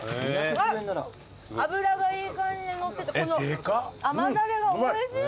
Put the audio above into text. あっ脂がいい感じで乗っててこの甘だれがおいしい！